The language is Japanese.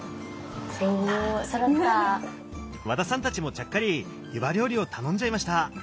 和田さんたちもちゃっかりゆば料理を頼んじゃいました。